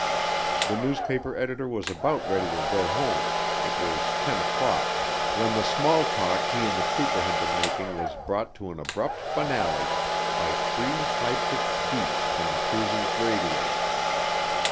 The newspaper editor was about ready to go home it was 10 o'clock when the small talk he and the trooper had been making was brought to an abrupt finale by three high pitched beeps from the cruiser's radio.